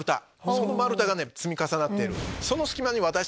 その丸太が積み重なってる。